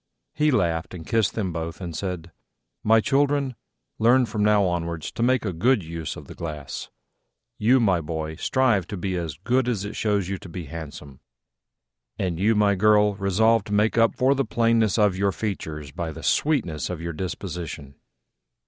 He laughed and kissed them both, and said, "My children, learn from now onwards to make a good use of the glass. You, my boy, strive to be as good as it shows you to be handsome; and you, my girl, resolve to make up for the plainness of your features by the sweetness of your disposition."